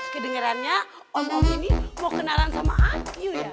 kedengerannya om om ini mau kenalan sama ayu ya